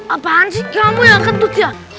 apaan sih kamu yang ketuk ya